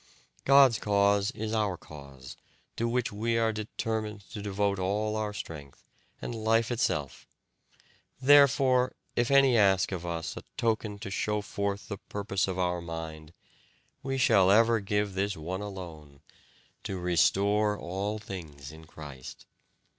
God's cause is our cause, to which we are determined to devote all our strength and life itself Therefore, if any ask of us a token to show forth the purpose of our mind, we shall ever give this one alone 'to restore all things in Christ'."